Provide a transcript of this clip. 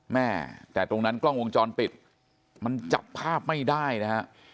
แม่แต่ตรงนั้นกล้องวงจรปิดมันจับภาพไม่ได้นะฮะ